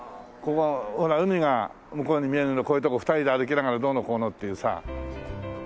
ほら海が向こうに見えるのこういうとこ２人で歩きながらどうのこうのっていうさ。